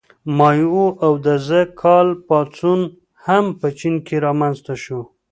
مائو او د ز کال پاڅون هم په چین کې رامنځته شو.